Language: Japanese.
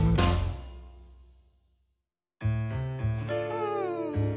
うん。